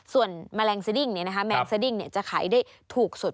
ส่วนแมลงสดิ้งแมงสดิ้งจะขายได้ถูกสุด